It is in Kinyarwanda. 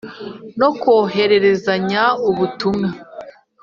No kohererezanya ubutumwa